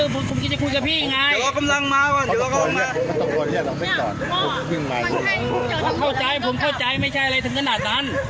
ผมเข้าใจไม่ใช่อะไรถึงขนาดนั้น